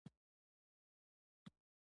زه هم ودرېدم.